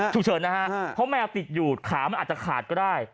ฉุกเฉินนะฮะเพราะแมวติดอยู่ขามันอาจจะขาดก็ได้